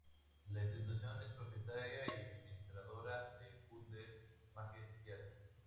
La institución es propietaria y administradora del "Cutler Majestic Theatre".